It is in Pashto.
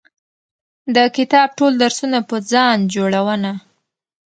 د کتاب ټول درسونه په ځان جوړونه